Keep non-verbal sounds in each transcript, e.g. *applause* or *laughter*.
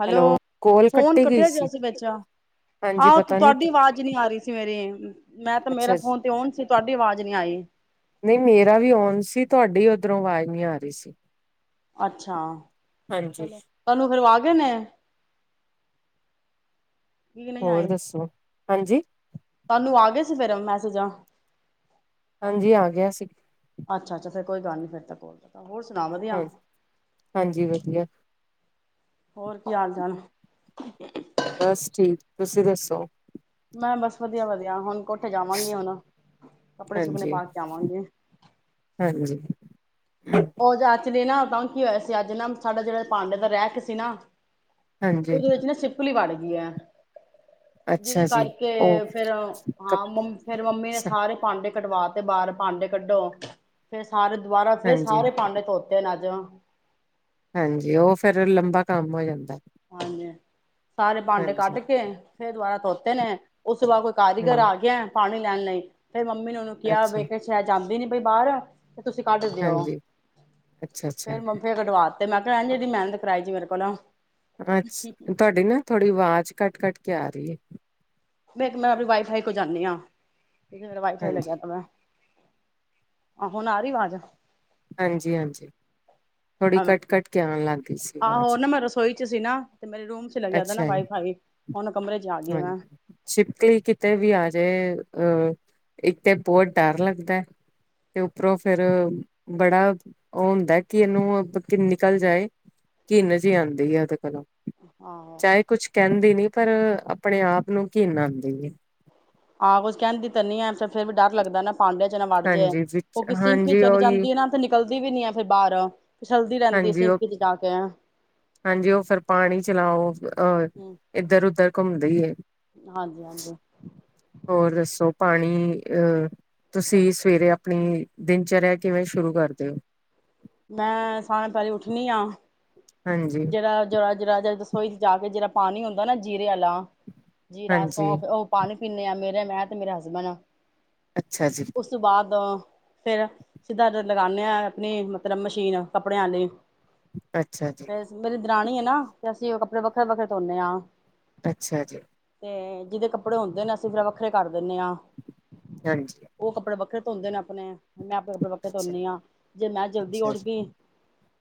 Hello, ਕੋਲ phone ਕੱਟੀ ਗਈ ਕੱਟਿੱਆ ਗਿਆ ਸੀ ਵੇਚ, ਹਾਂਜੀ, ਆਹੋ ਤੁ ਪਤਾ ਨੀ ਤੁਹਾਡੀ ਅਵਾਜ਼ ਨੀ ਆ ਰੀ ਸੀ ਮੇਰੀ ਮੈਂ ਤੇ ਮੇਰਾ ਅੱਛਾ ਜੀ। ਫੋਨ ਤੇ ਔਣ ਸੀ ਤੁਹਾਡੀ ਅਵਾਜ਼ ਨੀ ਆਈ। *inaudible* ਨਹੀਂ ਮੇਰਾ ਵੀ ਔਣ ਸੀ ਤੁਹਾਡੀ ਓਧਰੋਂ ਆਵਾਜ਼ ਨੀ ਆ ਰੀ ਸੀ। ਅੱਛਾ ਹਾਂਜੀ, ਚਲੋ, ਤੁਹਾਨੂੰ ਫੇਰ ਔ ਆ ਗੇ ਨੇ। ਕੀ ਨਹੀਂ ਹੋਰ ਆਏ ਦੱਸੋ? ਹਾਂਜੀ। ਤੁਹਾਨੂੰ ਆ ਗੇ ਸੀ ਫੇਰ ਮੈਸੇਜਾਂ। ਹਾਂਜੀ ਆ ਗਿਆ ਸੀ। ਅੱਛਾ ਅੱਛਾ, ਫੇਰ ਕੋਈ ਗਲ ਨੀ ਫੇਰ ਤਾ ਕੋਲ ਦੇਤਾ। ਹਾਂਜੀ ਹਾਂਜੀ ਵਧੀਆ। ਹੋਰ ਕੀ ਹਾਲ ਚਾਲ। ਬਸ ਠੀਕ। ਤੁਸੀਂ ਦੱਸੋ। ਮੈਂ ਬਸ ਵਧੀਆ ਵਧੀਆ ਹੁਣ ਕੋਠੇ ਜਾਵਾਂਗੀ ਹੁਣ ਕੱਪੜੇ ਸੁੱਕਣੇ ਹਾਂਜੀ, ਪਾ ਕੇ ਆਵਾਂਗੀ ਹਾਂਜੀ, ਉਹ ਜਾਚ ਲੇ ਨਾ ਤਾਂ ਕੀ ਹੋਇਆ ਸੀ ਅੱਜ ਨਾ ਸਾਡਾ ਜਿਹੜਾ ਭਾਂਡੇ ਦਾ ਰੈਂਕ ਸੀ ਨਾ ਹਾਂਜੀ। ਉਹਦੇ ਵਿੱਚ ਨਾ ਛਿਪਕਲੀ ਬੜ ਗਈ ਏ ਜਿਹਦੇ ਅੱਛਾ ਜੀ, ਉਹ ਕਰਕੇ ਫੇਰ ਕਪ ਹਾਂ ਫੇਰ ਮੰਮੀ ਨੇ ਸਾਰੇ ਭਾਂਡੇ ਕਡਵਾ ਤੇ ਬਾਹਰ ਭਾਂਡੇ ਕੱਢੋ ਫੇਰ ਸਾਰੇ ਦੁਬਾਰਾ ਫੇਰ ਹਾਂਜੀ, ਸਾਰੇ ਭਾਂਡੇ ਧੋਤੇ ਨੇ ਜਾ ਹਾਂਜੀ ਉਹ ਫੇਰ ਲੰਬਾ ਕੰਮ ਹੋ ਜਾਂਦਾ। ਹਾਂਜੀ ਸਾਰੇ ਭਾਂਡੇ ਹਾਂਜੀ, ਕੱਢ ਕੇ ਫੇਰ ਦੁਬਾਰਾ ਧੋਤੇ ਨੇ ਉਸ ਤੋਂ ਬਾਅਦ ਕੋਈ ਕਾਰੀਗਰ ਹੂੰ, ਆ ਗਿਆ ਹੈ ਪਾਣੀ ਲੈਣ ਲਈ ਫੇਰ ਮੰਮੀ ਨੇ ਉਹਨੂੰ ਕਿਹਾ ਅੱਛਾ, ਵੇਖ ਸ਼ਾਇਦ ਜਾਂਦੀ ਨੀ। ਬਈ ਬਾਹਰ ਆ ਤੇ ਤੁਸੀਂ ਕੱਢ ਦਿਓ ਹਾਂਜੀ। ਅੱਛਾ-ਅੱਛਾ, ਫੇਰ ਮੰਮੀ ਨੇ ਕਡਵਾਤੇ ਮੈਂ ਕਲ ਐਨੀ ਮਿਹਨਤ ਕਰਾਈ ਜੀ ਮੇਰੇ ਕੋਲੋਂ ਅੱਛ ਤੁਹਾਡੀ ਨਾ ਥੋੜੀ ਆਵਾਜ਼ ਕੱਟ ਕੱਟ ਕੇ ਆਰੀ ਏ। ਮੈਂ ਇੱਕ ਵਾਰੀ ਵਾਈਫਾਈ ਕੋਲ ਜਾਂਦੀ ਹਾਂ। ਠੀਕ ਮੇਰਾ ਵਾਈਫਾਈ ਹਾਂਜੀ, ਲਗਿਆ ਤਾਂ ਮੈਂ ਆ ਹੁਣ ਆ ਰਹੀ ਆਵਾਜ਼ ਹਾਂਜੀ ਹਾਂਜੀ ਥੋੜ੍ਹੀ ਕੱਟ ਆਵਾਜ਼ ਕੱਟ ਕੇ ਆਣ ਲੱਗ ਗਈ ਸੀ ਆਵਾਜ਼। ਆਹੋ ਨਾ ਮੈਂ ਰਸੋਈ ਚ ਸੀ ਨਾ ਤੇ ਮੇਰੇ ਰੂਮ ਚ ਲੱਗਿਆ ਤਾ ਨਾ ਅੱਛਾ ਵਾਈਫਾਈ ਜੀ ਹੁਣ ਕਮਰੇ ਚ ਆ ਗਈ ਹਾਂਜੀ ਮੈਂ ਛਿਪਕਲੀ ਕਿਤੇ ਵੀ ਆ ਜਾਏ ਅ ਇੱਕ ਤੇ ਬਹੁਤ ਡਰ ਲੱਗਦਾ ਤੇ ਉੱਪਰੋਂ ਫੇਰ ਬੜਾ ਉਹ ਹੁੰਦਾ ਕਿ ਇਹਨੂੰ ਨਿਕਲ ਜਾਏ ਘਿਨ ਜੀ ਆਦੀ ਹੈ ਉਹਦੇ ਕੋਲੋਂ ਆਹੋ ਚਾਹੇ ਕੁਛ ਕਹਿੰਦੀ ਨੀ ਪਰ ਆਪਣੇ ਆਪ ਨੂੰ ਕਿਨ ਆਦੀ ਏ ਹਾਂ ਕੁਝ ਕਹਿੰਦੀ ਤਾਂ ਨੀ ਹੇ ਫ ਫੇਰ ਵੀ ਡਰ ਲੱਗਦਾ ਨਾ ਬਾਡਿਂਆ ਚ ਨਾ ਵੜ ਜੇ ਹਾਂਜੀ ਵਿੱਚ ਉਹ ਕਿਸੇ ਹਾਂਜੀ ਚਲੀ ਉਹੀ ਜਾਂਦੀ ਹੈ ਨਾ ਤੇ ਨਿਕਲਦੀ ਵੀ ਨੀ ਆ ਫਿਰ ਬਾਹਰ ਫਿਸਲਦੀ ਰਹਿੰਦੀ ਹਾਂਜੀ ਸਿੰਕ ਉਹ ਚ ਜਾ ਕੇ ਹਾਂਜੀ ਉਹ ਫਿਰ ਪਾਣੀ ਚਲਾਓ ਅਹ ਇੱਧਰ-ਉਧਰ ਘੁੰਮ ਦੀਏ ਹਾਂਜੀ-ਹਾਂਜੀ ਹੋਰ ਦੱਸੋ ਪਾਣੀ, ਅਹ ਤੁਸੀਂ ਸਵੇਰੇ ਆਪਣੀ ਦਿਨਚਰਿਆ ਕਿਵੇਂ ਸ਼ੁਰੂ ਕਰਦੇਓ। ਮੈਂ ਸਾਹ ਪੈਲੀ ਉੱਠਣੀ ਆ ਹਾਂਜੀ, ਜਿਹੜਾ ਜੋ ਰਾਜ ਰਾਜਾ ਦੱਸ ਰਸੋਈ ਜਾ ਕੇ ਜਿਹੜਾ ਪਾਣੀ ਹੁੰਦਾ ਨਾ ਜੀਰੇ ਵਾਲਾ ਜੀਰਾ ਸੌ ਹਾਂਜੀ ਉਹ ਪਾਣੀ ਪਿੰਨੇ ਆ ਮੇਰੇ ਮੈਂ ਤੇ ਮੇਰਾ ਹਸਬੈਂਡ ਆ ਅੱਛਾ ਜੀ, ਉਸ ਤੋਂ ਬਾਅਦ ਫੇਰ ਸਿੱਧਾ ਲਗਾਉਾਨਦੇ ਹ ਆਪਣੀ ਮਤਲਬ ਮਸ਼ੀਨ ਕੱਪੜਿਆਂ ਲਈ ਹ ਅੱਛਾ ਜੀ ਦਣੀ ਆ ਨਾ ਤੇ ਅਸੀਂ ਉਹ ਕੱਪੜ ਵੱਖਰੇ-ਵੱਖਰੇ ਧੋਨੇ ਹਾਂ ਅੱਛਾ ਜੀ ਤੇ ਜਿਹਦੇ ਕੱਪੜੇ ਹੁੰਦੇ ਨੇ ਅਸੀਂ ਫੇਰ ਵੱਖਰੇ ਕਰ ਦਿੰਦੇ ਹਾਂ ਹਾਂਜੀ। ਉਹ ਕੱਪੜੇ ਵੱਖਰੇ ਧੋਂਦੇ ਨੇ ਆਪਣੇ ਮੈਂ ਆਪਣੇ-ਆਪਣੇ ਅੱਛਾ, ਤੋਣੀ ਹਾਂ, ਜੇ ਮੈਂ ਜਲਦੀ ਅੱਛਾ ਉੱਠ ਜੀ, ਗਈ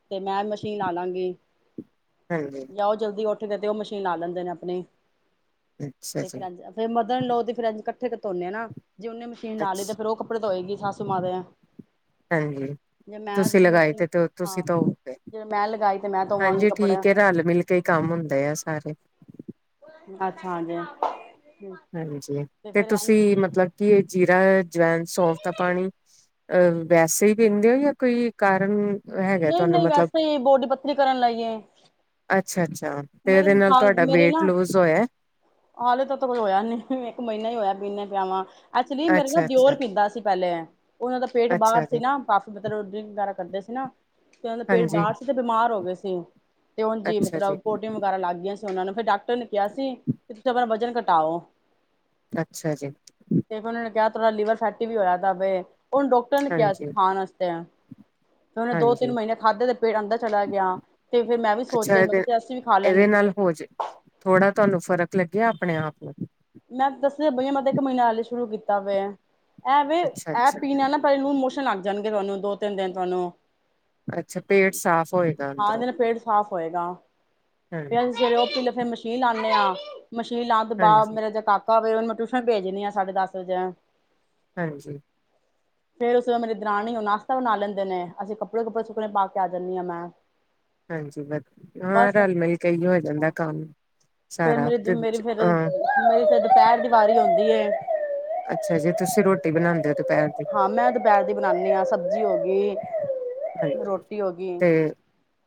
ਤੇ ਮੈਂ ਮਸ਼ੀਨ ਲਾ ਲਾ ਹਾਂਜੀ, ਜਾਓ ਜਲਦੀ ਉਠ ਉਠ ਕੇ ਤੇ ਉਹ ਮਸ਼ੀਨ ਲਾ ਲੈਂਦੇ ਨੇ ਆਪਣੇ ਅੱਛਾ ਤੇ ਜੀ, ਫਿਰ ਫਰ ਮਧਣ ਲਓ ਤੇ ਫਿਰ ਇ ਇਕੱਠੇ ਧੋਨੇ ਨਾ ਜੇ ਉਹਨੇ ਮਸ਼ੀਨ ਲਾਲਿ ਤੇ ਅੱਛ ਫਿਰ ਉਹ ਕੱਪੜੇੋ ਧੋਈ ਗੀ ਸਸੂ ਮ ਦੇ ਆ ਹਾਂਜੀ ਤੁਸੀਂ ਲਗਾਈ ਮਸ਼ੀਨ ਤੇ ਤੁਸੀਂ ਹਾਂ ਤੌਹੋ ਗੇ ਜੇ ਮੈਂ ਲਗਾਈ ਤੇ ਮੈਂ ਧੋਵਾਂਗੀ ਹਾਂਜੀ ਕੱਪੜੇ। ਠੀਕਏ ਰਲ ਮਿਲ ਕੇ ਹੀ ਕੰਮ ਹੁੰਦੇ ਆ ਸਾਰੇ ਅੱਛਾ ਜੇ *inaudible* ਹਾਂਜੀ ਤੇ ਤੁਸੀਂ ਮਤਲਬ ਕਿ ਇਹ ਜੀਰਾ ਜਵੈਨ ਸੌਂਫ ਦਾ ਪਾਣੀ ਅਹ ਵੈਸੇ ਹੀ ਪੀਂਦੇ ਹੋ ਜਾਂ ਕੋਈ ਕਾਰਨ ਹੈਗਾ ਨਹੀਂ ਤੁਹਾਨੂੰ ਨਹੀਂ ਮਤਲਬ ਵੈਸੇ ਹੀ ਬੋਡੀ ਪੱਤਰੀ ਕਰਨ ਲਾਈਏ ਅੱਛਾ, ਅੱਛਾ ਤੇ ਇਹਦੇ ਨਾਲ ਤੁਹਾਡਾ ਵੇਟ ਲੂਜ ਹੋਇਆ ਹਾਲੇ ਤਾਂ ਕੁਝ ਹੋਇਆ ਨੀ ਇੱਕ ਮਹੀਨਾ ਈ ਹੋਇਆ ਪੀਨੇ ਪਿਆਵਾਂ ਐਚੁਲੀ ਮੇਰੇ ਨਾ ਅੱਛਾ, ਦਿਓਰ ਅੱਛਾ। ਪੀਂਦਾ ਸੀ ਪੇਲੇ ਉਹਨਾਂ ਦਾ ਪੇਟ ਬਾਹਰ ਅੱਛਾ ਸੀ ਜੀ, ਨਾ ਕਾਫੀ ਮਤਲਬ ਡਰਿੰਕ ਵਗੈਰਾ ਕਰਦੇ ਸੀ ਨਾ ਤੇ ਉਹਨਾਂ ਦਾ ਪੇਟ ਹਾਂਜੀ, ਬਾਹਰ ਸੀ ਤੇ ਬਿਮਾਰ ਹੋ ਗਏ ਸੀ ਤੇ ਹੁਣ ਜੀ ਮਤਲਬ ਵਗੈਰਾ ਲੱਗ ਗਈਆਂ ਸੀ ਉਹਨਾਂ ਨੂੰ ਫਿਰ ਡਾਕਟਰ ਨੇ ਕਿਹਾ ਸੀ ਤੇ ਤੁਸੀ ਆਪਣਾ ਵਜਨ ਘ ਟਓ ਅੱਛਾ ਜੀ ਕਿਹਾ ਥੋੜਾ ਲੀਵਰ ਫੈਂਟੀ ਵੀ ਹੋਇਆ ਦਾ ਵੇ ਉਹਨੂੰ ਡਾਕਟਰ ਨੇ ਕਿਹਾ ਸੀ। ਹਾਂਜੀ। ਖਾਣ ਵਾਸਤੇ ਤੇ ਉਹਨੇ ਦੋ-ਤਿੰਨ ਹਾਂਜੀ ਮਹੀਨੇ ਖਾਧੇ ਦੇ ਪੇਟ ਅੰਦਰ ਚਲਾ ਗਿਆ। ਤੇ ਫੇਰ ਮੈਂ ਵੀ ਅੱਛਾ ਸੋਚਿਆ ਮ ਇਹਦੇ ਇਹਦੇ ਨਾਲ ਹੋ ਜੇ ਥੋੜਾ ਤੁਹਾਨੂੰ ਫ਼ਰਕ ਲੱਗਿਆ ਆਪਣੇ ਆਪ ਨੂੰ ਮੈਂ ਦੱਸਿਆ ਬਈਆ ਮੈਂ ਇੱਕ ਮਹੀਨਾ ਹਲੇ ਸ਼ੁਰੂ ਕੀਤਾ ਏ ਐਂਵੇ ਅੱਛਾ ਇਹ ਅੱਛਾ ਪੀਣਾ ਨਾ ਪਹਲਾ ਲੂਣ ਮੋਸਣ ਆਦੇ ਜਾਣਗੇ ਤੁਹਾਨੂੰ ਦੋ-ਤਿੰਨ ਦਿਨ ਤੁਹਾਨੂੰ ਅੱਛਾ ਪੇਟ ਸਾਫ਼ ਹੋਏਗਾ ਹਾਂ ਅੰਦਰੋਂ ਉਹਦੇ ਨਾਲ ਪੇਟ ਸਾਫ਼ ਹੋਏਗਾ ਫੇਰ ਅਸੀਂ ਹਾਂਜੀ ਸਵੇਰੇ ਉਹ ਪੀਲੇ ਫਿਰ ਮ ਕੀ ਲਾਦੇ ਹਾਂ ਮਸ਼ੀਨ ਲਾਉਣ ਤੋਂ ਬਾਅਦ ਹਾਂਜੀ ਮੇਰਾ ਕਾਕਾ ਹੋਵੇ ਉਹਨੂੰ ਮੈਂ ਟਿਊਸ਼ਨ ਭੇਜ ਦੀ ਆ ਸਾਡੇ ਦਸ ਵੱਜੇ ਹਾਂਜੀ ਫੇਰ ਉਸ ਤੋਂ ਬਾਅਦ ਮੇਰੀ ਦਰਾਣੀ ਉਹ ਨਾਸ਼ਤਾ ਬਣਾ ਲੈਂਦੇ ਨੇ ਅਸੀਂ ਕੱਪੜੇ ਕੁੱਪੜੇ ਸੁੱਕਣੇ ਪਾ ਕੇ ਆ ਜਾਂਦੀ ਹਾਂ ਮੈਂ ਹਾਂਜੀ ਵਧ ਹਾਂ ਬਸ ਰਲ ਮਿਲ ਕੇ ਹੀ ਹੋ ਜਾਂਦਾ ਕੰਮ ਫੇਰ ਸਾਰਾ ਮੇਰੀ ਮੇਰੀ ਤੇ ਫੇਰ ਅ ਮੇਰੀ ਫੇਰ ਦੁਪਹਿਰ ਦੀ ਵਾਰੀ ਆਉਂਦੀ ਅੱਛਾ ਜੇ ਤੁਸੀਂ ਰੋਟੀ ਬਣਾਉਂਦੇ ਹੋ ਦੁਪਹਿਰ ਦੀ ਹਾਂ ਮੈਂ ਦੁਪਹਿਰ ਦੀ ਬਣਾਉਂਦੀ ਹਾਂ ਸ ਸਬਜ਼ੀ ਹੋ ਗਈ ਹਾਂਜੀ ਰੋਟੀ ਹੋ ਗਈ ਤੇ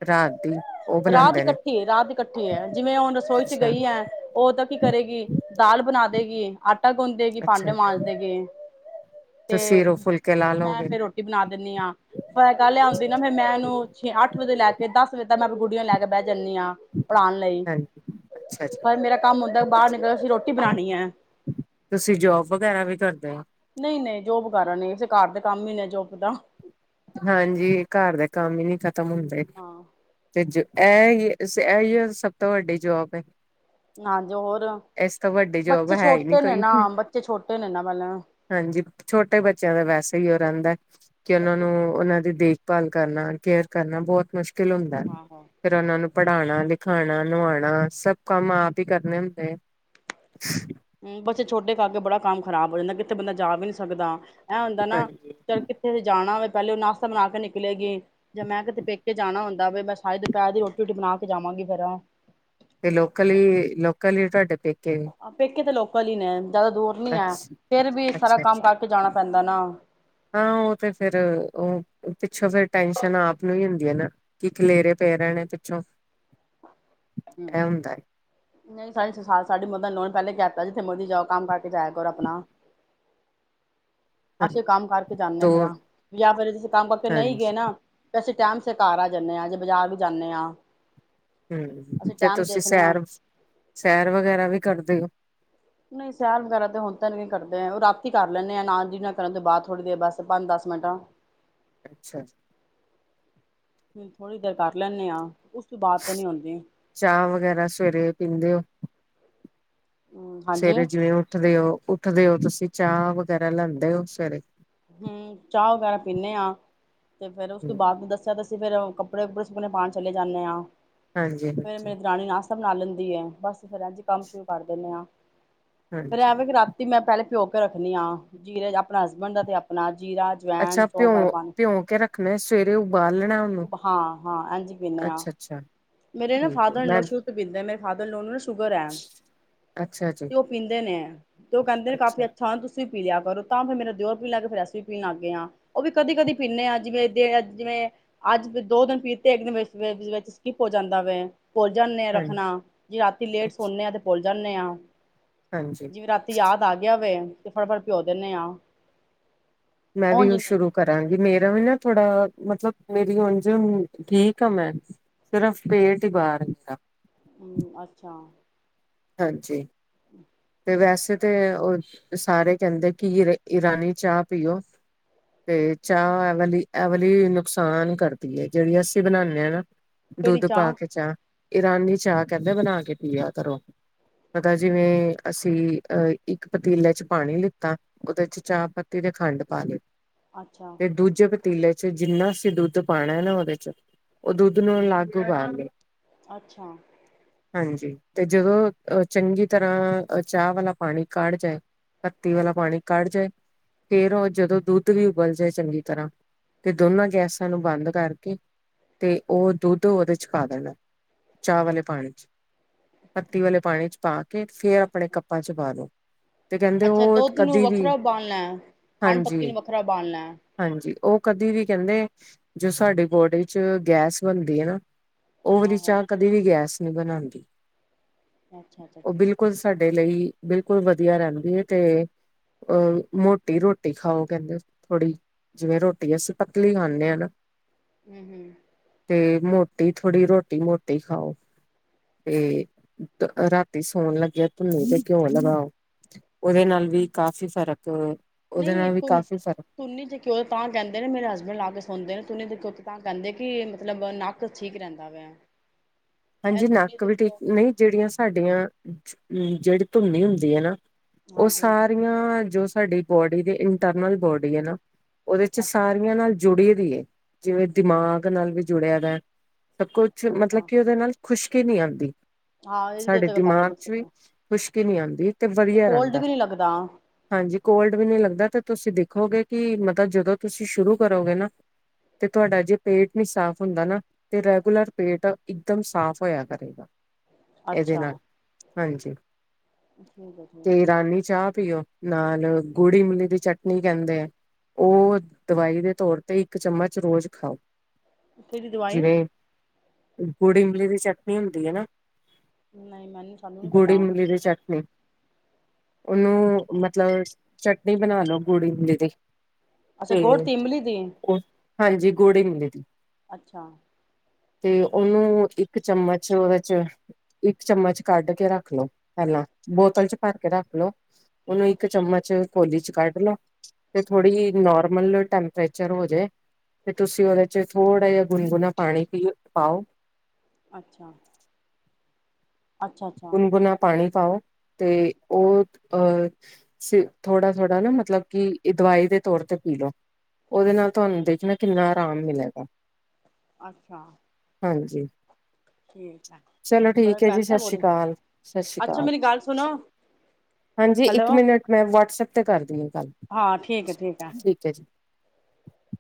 ਰਾਤ ਦੀ ਉਹ ਰਾਤ ਬਣਾਉਂਦੇ ਨੇ ਇਕੱਠੀ ਰਾਤ ਇਕੱਠੀ ਹੈ। ਜਿਵੇਂ ਹੁਣ ਰਸੋਈ ਚ ਅੱਛਾ ਗਈ ਹੈ। ਉਹ ਤਾਂ ਕੀ ਕਰੇਗੀ ਦਾਲ ਬਣਾਦੇਗੀ ਆਟਾ ਟ ਗੁੰਦੇ ਗੀ ਪਾਂਡੇ ਅੱਛਾ ਮਾਂਜਦੇ ਗੀ ਤੇ ਤੁਸੀਂ ਰ ਫੁਲਕੇ ਲਾ ਮੈਂ ਲਓਗੇ ਫੇਰ ਰੋਟੀ ਬਣਾ ਦਿੰਦੀ ਹਾਂ। ਪਰ ਇਹ ਗੱਲ ਆਉਂਦੀ ਅੱਛਾ ਨਾ ਜੀ ਫੇਰ ਮੈਂ ਇਹਨੂੰ ਛੇ ਅੱਠ ਵੇ ਲੈ ਕੇ ਦਸ ਵਜੇ ਤ ਮੈਂ ਗੁਡੀਆਂ ਲੈ ਕੇ ਬਹ ਜ ਜਾਂਦੀ ਹਾ ਪੜ੍ਹਾਉਣ ਲਈ ਹਾਂਜੀ ਅੱਛਾ ਜੀ ਪਰ ਮੇਰਾ ਕੰਮ ਹੁੰਦਾ ਬਾਹਰ ਨਿਕਲ ਅਸੀ ਰੋਟੀ ਬਣਾਉਣੀ ਹੈ। ਤੁਸੀਂ ਜੋਬ ਵਗੈਰਾ ਵੀ ਕਰਦੇ ਹੋ ਨਹੀਂ ਨਹੀਂ ਜੋਬ ਵਗੈਰਾ ਨੀ ਅੇ ਘਰ ਦੇ ਕੰਮ ਹੀ ਨੇ ਜੋਬ ਦਾ। ਹਾਂਜੀ ਘਰ ਦਾ ਕੰਮ ਹੀ ਨਹੀਂ ਖ ਤਮ ਹੁੰਦੇ। ਹਾਂ ਇਹ ਇਹਹੀ ਸਭ ਤੋਂ ਵੱਡੀ ਜੋਬ ਹੈ। ਹਾਂਜੀ ਹੋਰ ਏਸ ਤੋਂ ਵੱਡੀ ਜੋਬ ਬੱਚੇ ਹੈ ਹੀ ਨਹੀਂ ਛੋਟੇ ਨੇ ਕੋਈ ਨਾ ਬੱਚੇ ਛੋਟੇ ਨੇ ਨਾ ਪਹਿਲਾਂ ਹਾਂਜੀ ਛੋਟੇ ਬੱਚਿਆਂ ਦਾ ਵੈਸੇ ਹੀ ਉਹ ਰਹਿੰਦਾ ਕਿ ਉਹਨਾ ਨੂੰ ਬੱਚੇ ਨੂੰ ਛੋਟੇ ਨੇ ਉਹਨਾਂ ਦੀ ਦੇਖਭਾਲ ਕਰਨ ਕੇਅਰ ਕਰਨਾ ਬਹੁਤ ਮੁਸ਼ਕਿ ਕਿਲ ਹੁੰਦਾ ਆਹੋ ਫਿਰ ਉਹਨਾਂ ਨੂੰ ਪੜ੍ਹਾਉਣਾ ਲਿਖਾਉਣਾ ਨਵਾਉਣਾ ਸਭ ਕੰਮ ਆਪ ਹੀ ਕਰਨੇ ਹੁੰਦੇ। ਹਮ ਬਚੇ ਛੋਟੇ ਕਰਕੇ ਬੜਾ ਕੰਮ ਖ਼ਰਾਬ ਹੋ ਜਾਂਦਾ ਕਿੱਥੇ ਬੰਦਾ ਜਾ ਵੀ ਨਹੀਂ ਸਕਦਾ। ਇਹ ਹੁੰਦਾ ਨਾ ਹਾਂਜੀ ਚੱਲ ਕਿੱਥੇ ਵੀ ਜਾਣਾ ਹੋਵੇ ਪਹਿਲੇ ਉਹ ਨਾਸ਼ਤਾ ਬਣਾ ਕੇ ਨਿਕਲੇਗੀ ਜਾਂ ਮੈਂ ਕਿਤੇ ਪੇਕੇ ਜਾਣਾ ਹੁੰਦਾ ਵੇ ਮੈਂ ਸਾਰੀ ਦੁਪਹਿਰ ਦੀ ਰੋਟੀ ਰੁਟੀ ਬਣਾ ਕੇ ਜਾਵਾਂਗੀ ਫੇਰ। ਤੇ ਲੋਕਲ ਹੀ ਲੋਕਲ ਈ ਤੁਹਾਡੇ ਪੇਕੇ। ਪੇਕੇ ਤਾਂ ਲੋਕ ਕਲੀ ਨੇ ਜ਼ਿਆਦਾ ਦੂਰ ਨੀ ਅੱਛ ਹੈ ਫੇਰ ਵੀ ਸਾਰਾ ਅੱਛਾ ਕੰਮ ਅੱਛਾ ਕਰਕੇ ਜਾਣਾ ਪੈਂਦਾ ਨਾ ਹਾਂ ਉਹ ਤੇ ਫਿਰ ਉਹ ਪਿੱਛੋਂ ਫਿਰ ਟੈਂਸ਼ਨ ਆਪ ਨੂੰ ਹੀ ਹੁੰਦੀ ਨਾ ਕੀ ਖਲੇਰੇ ਪਏ ਰਹਿਣੇ ਪਿੱਛੋਂ। ਹਮ ਇਹ ਹੁੰਦਾ ਨਹੀਂ ਸਾਡੀ ਸਾਡੀ ਮਲਨ ਪਹਿਲੇ ਕਹਿ *unintelligible* ਜਿੱਥੇ ਮਰਜੀ ਜਾਓ ਕੰਮ ਕਰਕੇ ਜਾਇ ਕਰ ਆਪਣਾ। ਹੈ ਅਸੀਂ ਕੰਮ ਕਰਕੇ ਜਾਂਦੇ ਹਾਂ ਦੋ ਫੇਰ ਜਾਂ ਫਿਰ ਅਸੀ ਕੰਮ ਕਰਕੇ ਨਹੀਂ ਹਾਂਜੀ ਗਏ ਨਾ ਅਸੀੇ ਟਾਈਮ ਤੇ ਘਰ ਆ ਜਾਨਦੇ ਹਾਂ ਜੇ ਬਾਜ਼ਾਰ ਵੀ ਜਾਨਦੇ ਹਾਂ। ਹਮ ਅਸੀਂ ਤੇ ਟਾਈਮ ਤੁਸੀਂ ਦੇਖਦੇ ਹਾਂ ਸੈਰ ਸੈਰ ਵਗੈਰਾ ਵੀ ਕਰਦੇ ਹੋ। ਨਹੀਂ ਸੈਰ ਵਗੈਰਾ ਤੇ ਹੁਣ ਤਾਂ ਨ ਕਰਦੇ ਉਹ ਰਾਤੀ ਕਰ ਲੈਂਦੇ ਆ ਨਾ ਜੀ ਨਾ *unintelligible* ਕਰਨ ਤੋਂ ਬਾਅਦ ਥੋੜ੍ਹੀ ਦੇਰ ਬਸ ਪੰਜ ਦਸ ਮਿੰਟ। ਅੱਛਾ ਜੀ। ਥੋੜ੍ਹੀ ਦੇਰ ਕਰ ਲੈਨਦੇ ਆਂ। ਚਾਹ ਵਗੈਰਾ ਸਵੇਰੇ ਪੀਂਦੇ ਹੋ। ਹਾਂਜੀ ਸਵੇਰੇ ਜਿਵੇਂ ਉੱਠਦੇ ਹੋ ਉਠ ਰੱਖਦੇ ਹੋ ਤੁਸੀਂ ਚਾਹ ਵਗੈਰਾ ਲੈਂਦੇ ਹੋ ਸਵੇਰੇ। ਹਮ ਚਾਹ ਵਗੈਰਾ ਪੀਨੇ ਹਾਂ। ਤੇ ਫੇਰ ਉਸ ਤੋਂ ਬਾਅਦ ਨੂੰ ਦੱਸਿਆ ਤਾਂ ਅ ਫੇਰ ਕੱਪੜੇ ਕੁੱਪੜੇ ਸੁਖਣੇ ਪਾਉਣ ਚਲੇ ਜਾਂਦੇ ਹਾਂ। ਹਾਂਜੀ, ਹਾਂਜੀ। ਸ਼ਤਾ ਬਨਾ ਲੈਂਦੀ ਹੈ, ਬਸ ਫੇਰ ਏਂਜ ਕੰਮ ਸ਼ੁਰੂ ਕਰ ਦਿੰਦੇ ਆ। ਫੇਰ ਐ ਹਾਂਜੀ, ਵੇ ਕਿ ਰਾਤੀ ਮੈਂ ਪਹਿਲੇ *unintelligible* ਭਿਗੋ ਕੇ ਰੱਖਣੀ ਆ ਜੀਰੇ ਚ ਅਪਣਾ ਹਸਬੈਂਡ ਤੇ ਅਪਣਾ ਅੱਛਾ ਭਿਉਂ ਭਿਉਂ ਕੇ ਰੱਖਣਾ ਸਵੇਰੇ ਉਬਾਲ ਲੇਨਾ ਉਹਨੂੰ ਹਾਂ ਹਾਂ ਇੰਝ ਪਿਨੇ ਆ। ਅੱਛਾ-ਅੱਛਾ ਮੇਰੇ ਨਾ ਠੀਕ ਹੈ, ਫਾਦਰ ਇਨ ਮੈਂ ਲਾੱ ਸ਼ੁੱਰੂ ਤੋਂ ਪੀਂਦੇ ਨੇ ਮੇਰੇ ਫਾਦਰ ਇਨ ਲਾੱ ਨੂੰ ਨਾ ਸ਼ੂਗਰ ਹੈ ਅੱਛਾ ਜੀ, ਤੇ ਉਹ ਪੀਂਦੇ ਨੇ ਤੇ ਉਹ ਕਹਿੰਦੇ ਨੇ ਕਾਫੀ ਅੱਛਾ ਤੁਸੀਂ ਪੀ ਲਿਆ ਕਰੋ ਤਾਂ ਫੇਰ ਮੇਰਾ ਦਿਓ ਪੀਣ ਲਗ ਪਯਾ ਸੀ, ਅਸੀ ਵੀ ਪੀਣ ਲੱਗ ਗਏ ਹਾਂ ਉਹ ਵੀ ਕਦੀ ਕਦੀ ਪੀਨੇ ਹਾਂ ਜਿਵੇਂ ਜਿਵੇਂ ਅੱਜ ਦੋ ਦਿਨ ਪੀਤੇ ਇੱਕ ਦਿਨ ਵਿਚ ਸਕਿੱਪ ਹੋ ਜਾਂਦਾ ਵੇ ਭੁਲ ਜਾਂਨੇ ਆ ਹਾਂਜੀ, ਰੱਖਣਾ ਜੇ ਰਾਤੀ ਲੇਟ ਅੱਛਾ ਸੌਨੇ ਆ ਤੇ ਭੁਲ ਜਾਨੇ ਆਂ ਹਾਂਜੀ। ਜਿਵੇਂ ਰਾਤੀ ਯਾਦ ਆ ਗਿਆ ਵੇ ਤੇ ਫਟਾਫਟ ਭਿਔ ਦਿੰਦੇ ਆਂ। ਮੈਂ ਵੀ ਉਹ ਸ਼ੁਰੂ ਕਰਾਂਗੀ ਮੇਰੇ ਮੈਂ ਵੀ ਨਾ ਥੋੜਾ ਮਤਲਬ ਮੇਰੀ ਉਂਝ ਠੀਕ ਆ ਮੈਂ ਸਿਰਫ ਪੇਟ ਈ ਬਾਹਰ ਹੈਗਾ। ਅੱਛਾ। ਹਾਂਜੀ। ਤੇ *inaudible* ਵੈਸੇ ਤਾਂ ਉਹ ਸਾਰੇ ਕਹਿੰਦੇ ਕਿ ਇਰਾਨੀ ਚਾਹ ਪੀਓ ਤੇ ਚਾਹ ਐ ਵਾਲੀ, ਐ ਵਾਲੀ ਨੁਕਸਾਨ ਕਰਦੀ ਹੈ ਜਿਹੜੀ ਅਸੀਂ ਬਣਾਦੇ ਹਾਂ ਨਾ। ਦੁੱਧ ਪਾ ਕੇ ਚਾਹ ਇਰਾਨੀ ਚਾਹ ਕਹਿੰਦੇ ਬਣਾ ਕੇ ਪੀਆ ਕਰੋ। ਪਤਾ ਜਿਵੇਂ ਅਸੀਂ ਅਹ ਇੱਕ ਪਤੀਲੇ ਚ ਪਾਣੀ ਲਿੱਤਾ ਉਹਦੇ ਚ ਚਾਹ ਪੱਤੀ ਤੇ ਖੰਡ ਪਾ ਲੀ ਅੱਛਾ ਤੇ ਦੂਜੇ ਪਤੀਲੇ ਜਿੰਨਾ ਅਸੀਂ ਦੁੱਧ ਪਾਣਾ ਹੈ ਨਾ ਉਹਦੇ ਚ ਉਹ ਦੁੱਧ ਨੂੰ ਅਲਗ ੳਬਾਲ ਲੋ। ਅੱਛਾ। ਹਾਂਜੀ ਤੇ ਜਦੋਂ ਅ ਚੰਗੀ ਤਰ੍ਹਾਂ ਚਾਹ ਵਾਲਾ ਪਾਣੀ ਕੜ ਜਾਏ ਪੱਤੀ ਵਾਲਾ ਹੂੰ ਪਾਣੀ ਕੱੜ ਜਾਏ ਫੇਰ ਉਹ ਜਦੋਂ ਦੁੱਧ ਵੀ ਉਬਲ ਜਾਏ ਚੰਗੀ ਤਰ੍ਹਾਂ ਤੇ ਦੋਨਾਂ ਗੈਸਾਂ ਨੂੰ ਬੰਦ ਕਰਕੇ ਤੇ ਉਹ ਦੁੱਧ ਉਹਦੇ ਚ ਪਾ ਦੇਣਾ ਚਾਹ ਵਾਲੇ ਪਾਣੀ ਚ। ਪੱਤੀ ਵਾਲੇ ਪਾਣੀ ਚ ਪਾ ਕੇ ਫੇਰ ਆਪਣੇ ਕੱਪਾਂ ਚ ਪਾ ਲੋ ਤੇ ਕਹਿੰਦੇ ਅੱਛਾ ਉਹ ਦੁੱਧ ਨੂੰ ਕਦੀ ਵੀ ਵੱਖਰਾ ਉਬਾਲਣਾ ਹੈ ਖੰਡ ਪੱਤੀ ਹਾਂਜੀ, ਨੂੰ ਵੱਖਰਾ ਉਬਾਲਣਾ ਹੈ ਹਾਂਜੀ ਉਹ ਕਦੀ ਵੀ ਕਹਿੰਦੇ ਜੋ ਸਾਡੀ ਬੋਡੀ ਚ ਗੈਸ ਬਣਦੀ ਹੈ ਨਾ ਉਹ ਵਾਲੀ ਹਾਂ ਹਾਂ ਚਾਹ ਕਦੇ ਵੀ ਗੈਸ ਬਣਾਦੀ। ਅੱਛਾ ਅੱਛਾ ਉਹ ਠੀਕ ਬਿਲਕੁਲ ਸਾਡੇ ਲਈ ਬਿਲਕੁਲ ਵਧੀਆ ਰਹਿੰਦੀ ਹੈ ਤੇ ਮੋਟੀ ਰੋਟੀ ਖਾਓ ਕਹਿੰਦੇ ਥੋੜ੍ਹੀ ਜਿਵੇਂ ਰੋਟੀ ਅਸੀਂ ਪਤਲੀ ਖਾਣੇ ਹਾਂ ਨਾ ਹੂੰ ਹੂੰ ਨਹੀਂ ਥੋੜ੍ਹੀ ਰੋਟੀ ਮੋਟੀ ਖਾਓ ਤੇ ਰਾਤੀ ਸੌਣ ਲੱਗੇ ਧੁੰਨੀ ਤੇ ਘਿਓ ਲਗਾਓ ਉਹਦੇ ਨਾਲ ਵੀ ਕਾਫ਼ੀ ਫ਼ਰਕ ਉਹਦੇ ਨਹੀਂ ਨਾਲ ਵੀ ਕਾਫ਼ੀ ਫ਼ਰਕ ਤੂੰਨੀ ਤੇ ਘਿਉ ਪਾਦੇ ਨੇ ਮੇਰੇ ਹਸਬੈਂਡ ਲਾ ਕੇ ਸੌਂਦੇ ਨੇ ਤੂੰਨੀ ਦੇਖਿਆ ਤਾਂ ਕਹਿੰਦੇ ਕਿ ਮਤਲਬ ਨੱਕ ਠੀਕ ਰਹਿੰਦਾ ਹੈ। ਹਾਂਜੀ ਨੱਕ ਵੀ ਠੀਕ ਨਹੀਂ ਜਿਹੜੀਆਂ ਸਾਡੀਆਂ ਹੂੰ ਜਿਹੜੀ ਧੁੰਨੀ ਹੁੰਦੀ ਹੈ ਨਾ ਉਹ ਹਾਂਜੀ ਸਾਰੀਆਂ ਜੋ ਸਾਡੀ ਬੋਡੀ ਦੀ ਇੰਟਰਨਲ ਬੋਡੀ ਹੈ ਨਾ ਉਹਦੇ ਅੱਛਾ ਸਾਰੀਆਂ ਨਾਲ ਜੁੜੀ ਜਿਵੇਂ ਦਿਮਾਗ ਨਾਲ ਵੀ ਜੁੜਿਆ ਦਾ ਸਭ ਕੁਛ ਮਤਲਬ ਅੱਛਾ ਕਿ ਨਾਲ ਖੁਸ਼ਕੀ ਨਹੀਂ ਆਉਂਦੀ ਹਾਂ ਇਹਦੇ ਸਾਡੇ ਤੇ ਪਤਾ ਦਿਮਾਗ ਲੱਗ ਚ ਵੀ ਸਕਦਾ। ਖੁਸ਼ਕੀ ਨਹੀਂ ਅਉਂਦੀ ਕੀ ਨਹੀਂ ਆਉਂਦੀ *unintelligible* ਤੇ ਵਧੀਆ ਕੋਲਡ ਰਹਿੰਦਾ ਵੀ ਨੀ ਲੱਗਦਾ ਹਾਂਜੀ ਕੋਲਡ ਵੀ ਨਹੀਂ ਲੱਗਦਾ ਤੇ ਤੁਸੀਂ ਦੇਖ ਦੇਖੋਗੇ ਕਿ ਮਤਲਬ ਜਦੋਂ ਤੁਸੀਂ ਸ਼ੁਰੂ ਕਰੋਗੇ ਨਾ ਤੇ ਤੁਹਾਡਾ ਜੇ ਪੇਟ ਨਾ ਸਾਫ਼ ਹੁੰਦਾ ਨਾ ਤੇ ਰੈਗੂਲਰ ਪੇਟ ਇਕਦਮ ਸਾਫ਼ ਹੋਇਆ ਕਰੇਗਾ ਇਹਦੇ ਅੱਛਾ ਨਾਲ ਹਾਂਜੀ ਠੀਕ ਹੈ ਠੀਕ ਤੇ ਹੈ ਰਾਨੀ ਚਾਹ ਪੀਓ *unintelligible* ਨਾਲ ਗੁੜ ਇਮਲੀ ਦੀ ਚਟਨੀ ਕਹਿੰਦੇ ਆ ਉਹ ਦਵਾਈ ਦੇ ਤੌਰ ਤੇ ਇੱਕ ਚਮਚ ਰੋਜ਼ ਖਾਓ ਕਿਹੜੀ ਦਵਾਈ ਹਮ ਗੂੜ ਇਮਲੀ ਦੀ ਚਟਨੀ ਹੁੰਦੀ ਹੈ ਨਾ ਨਹੀਂ ਮੈਨੂੰ ਸਾਨੂੰ ਨੀ ਗੁੜ ਪਤਾ ਇਮਲੀ ਦੀ ਚਟਨੀ ਉਹਨੂੰ ਮਤਲਬ ਚਟਨੀ ਬਣਾ ਲੋ ਗੂੜ ਇਮਲੀ ਦੀ ਅੱਛਾ ਗੂੜ ਤੇ ਇਮਲੀ ਦੀ ਉਹ ਹਾਂਜੀ ਗੁੜ ਇਮਲੀ ਦੀ ਅੱਛਾ ਤੇ ਉਹ। ਉਹਨੂੰ ਇੱਕ ਚਮਚ ਉਹਦੇ ਚ ਇੱਕ ਚਮਚ ਕੱਢ ਕੇ ਰੱਖ ਲਓ ਪਹਿਲਾਂ ਬੋਤਲ ਚ ਭਰ ਕੇ ਰੱਖ ਲਓ ਉਹਨੂੰ ਇੱਕ ਚਮਚ ਕੋਲੀ ਚ ਕੱਢ ਲਓ ਤੇ ਥੋੜ੍ਹੀ ਜਿਹੀ ਨੋਰਮਲ ਟੈਂਪਰੇਚਰ ਹੋ ਜਾਏ ਤੇ ਤੁਸੀਂ ਉਹਦੇ ਚ ਥੋੜ੍ਹਾ ਜਿਹਾ ਗੁਣਗੁਣਾ ਪਾਣੀ ਪੀਓ। ਪਾਉ। ਅੱਛਾ। ਅੱਛਾ ਅੱਛਾ ਗੁਨਗੁਣਾ ਪਾਣੀ ਪਾਓ। ਤੇ ਉਹ ਅ। ਤੁਸੀਂ ਥੋੜ੍ਹਾ ਥੋੜ੍ਹਾ ਨਾ ਮਤਲਬ ਕਿ ਇਹ ਦਵਾਈ ਦੇ ਤੌਰ ਤੇ ਪੀ ਲੋ ਉਹਦੇ ਨਾਲ ਤੁਹਾਨੂੰ ਦੇਖਣਾ ਕਿੰਨਾ ਆਰਾਮ ਮਿਲੇਗਾ। ਅੱਛਾ ਹਾਂਜੀ ਠੀਕ ਹੈ ਫ਼ਰਕ ਪੈਦਾ ਹੋਲੀ। ਹਾਂਜੀ ਸਤਿ ਸ਼੍ਰੀ ਅਕਾਲ ਹਾਂਜੀ ਇੱਕ ਹੈਲੋ ਮਿੰਟ ਮੈਂ ਵਟਸਐਪ ਤੇ ਕਰਦੀ ਹੈ ਗੱਲ ਹਾਂ ਠੀਕ ਹੈ ਠੀਕ ਹੈ ਜੀ। *unintelligible*